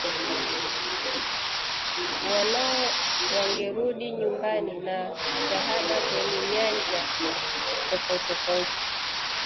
wanao wangerudi nyumbani na shahada kwenye Nyanja tofauti tofauti